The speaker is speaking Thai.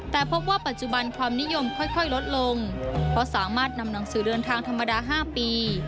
แต่พบว่าปัจจุบันความนิยมค่อยลดลงเพราะสามารถนำหนังสือเดินทางธรรมดา๕ปี